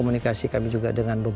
sunset hanya sementara